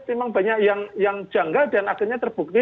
memang banyak yang janggal dan akhirnya terbukti